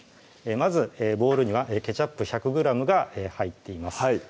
まずボウルにはケチャップ１００ｇが入っています